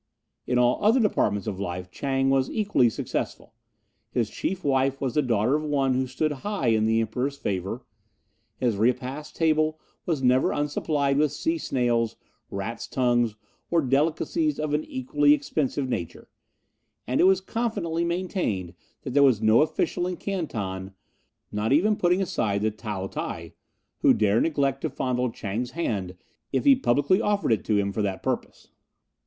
In all other departments of life Chang was equally successful; his chief wife was the daughter of one who stood high in the Emperor's favour; his repast table was never unsupplied with sea snails, rats' tongues, or delicacies of an equally expensive nature, and it was confidently maintained that there was no official in Canton, not even putting aside the Taotai, who dare neglect to fondle Chang's hand if he publicly offered it to him for that purpose.